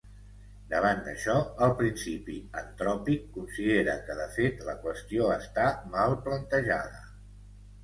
Davant d'això el principi antròpic considera que de fet, la qüestió està mal plantejada.